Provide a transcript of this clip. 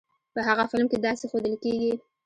په هغه فلم کې داسې ښودل کېږی.